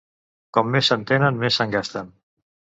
Com més se'n tenen, més se'n gasten.